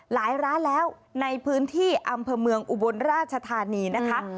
ร้านแล้วในพื้นที่อำเภอเมืองอุบลราชธานีนะคะ